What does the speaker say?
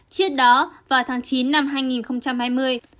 trước đó vào tháng chín năm hai nghìn hai mươi